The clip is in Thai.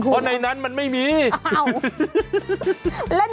อยู่นี่หุ่นใดมาเพียบเลย